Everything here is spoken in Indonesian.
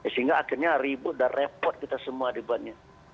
sehingga akhirnya ribut dan repot kita semua debatnya